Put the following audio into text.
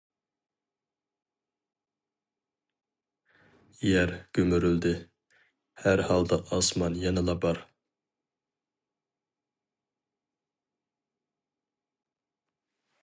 يەر گۈمۈرۈلدى، ھەر ھالدا ئاسمان يەنىلا بار.